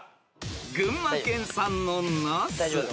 ［群馬県産のナス］